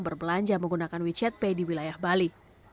berbelanja menggunakan wechat pay di wilayah bali